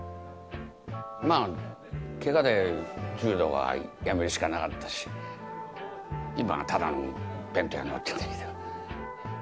まあケガで柔道はやめるしかなかったし今はただの弁当屋のおっちゃんだけど。